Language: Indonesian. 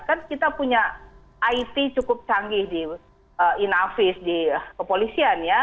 kan kita punya it cukup canggih di inavis di kepolisian ya